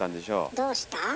どうした？